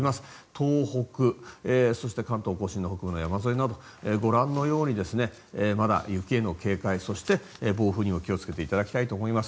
東北、そして関東・甲信の北部の山沿いなどご覧のようにまだ雪への警戒そして暴風にも気をつけていただきたいと思います。